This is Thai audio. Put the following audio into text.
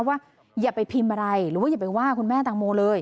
ว่าอย่าไปพิมพ์อะไรหรือว่าอย่าไปว่าคุณแม่ตังโมเลย